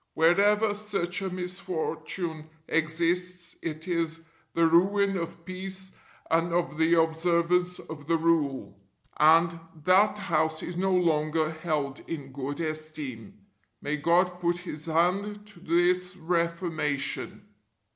Wherever such a misfortune exists it is the ruin of peace and of the observance of the Rule, and that house is no longer held in good esteem. May God put His hand to this reformation.